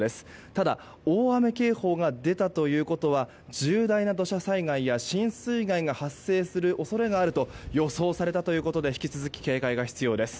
ただ、大雨警報が出たということは重大な土砂災害や浸水害が発生する恐れがあると予想されたということで引き続き、警戒が必要です。